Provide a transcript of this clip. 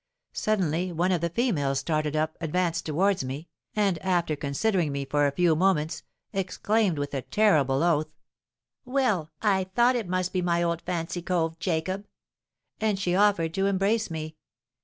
Suddenly one of the females started up, advanced towards me, and, after considering me for a few moments, exclaimed with a terrible oath, 'Well, I thought it must be my old fancy cove Jacob:'—and she offered to embrace me.